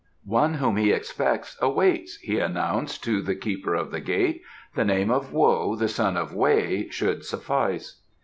"One whom he expects awaits," he announced to the keeper of the gate. "The name of Wo, the son of Weh, should suffice."